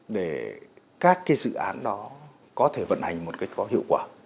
để các cái dự án đó có thể vận hành một cách có hiệu quả